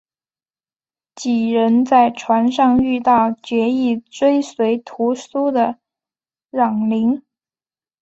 几人在船上遇到决意追随屠苏的襄铃。